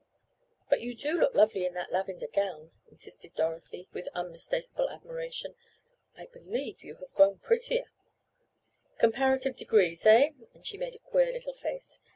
"But you do look lovely in that lavender gown," insisted Dorothy, with unmistakable admiration. "I believe you have grown prettier—" "Comparative degrees, eh?" and she made a queer little face.